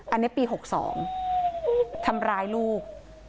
อันนี้ปีหกสองทำร้ายลูก